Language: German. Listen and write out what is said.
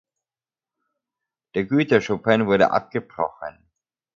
Der Güterschuppen wurde abgebrochen.